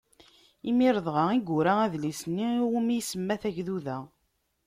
Imir dɣa i yura adlis-nni iwmi isemma Tagduda